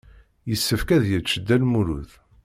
Yessefk ad yečč Dda Lmulud.